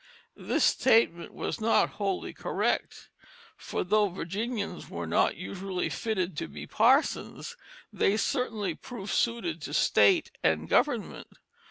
[Illustration: Mary Lord, 1710 circa] This statement was not wholly correct; for though Virginians were not usually fitted to be parsons, they certainly proved suited to state and government.